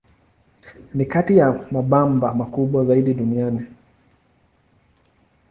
Ni kati ya mabamba makubwa zaidi duniani.